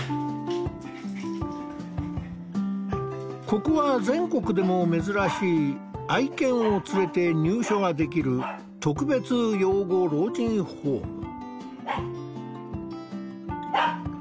ここは全国でも珍しい愛犬を連れて入所ができる特別養護老人ホーム。